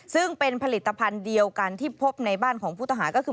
ซึ่งเป็นผลิตภัณฑ์เดียวกันที่พบในบ้านของผู้ต้องหาก็คือ